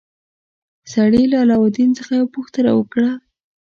سړي له علاوالدین څخه یوه پوښتنه وکړه.